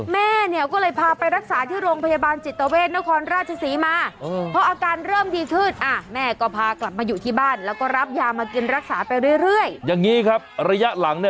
แม่เนี่ยก็เลยพาไปรักษาที่โรงพยาบาลจิตเวชนครราชศรีมา